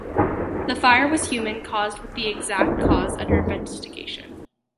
The fire was human caused with the exact cause under investigation.